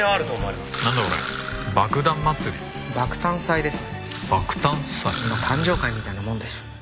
まあ誕生会みたいなもんです。